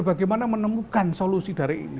bagaimana menemukan solusi dari ini